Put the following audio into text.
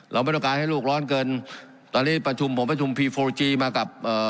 เราไม่ต้องการให้ลูกร้อนเกินตอนนี้ประชุมผมประชุมพีโฟรีมากับเอ่อ